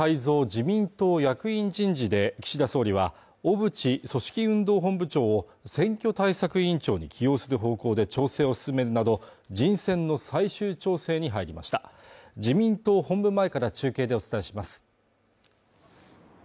自民党役員人事で岸田総理は小渕組織運動本部長を選挙対策委員長に起用する方向で調整を進めるなど人選の最終調整に入りました自民党本部前から中継でお伝えします